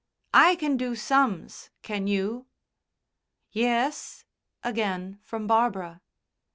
I can do sums, can you?" "Yes," again from Barbara.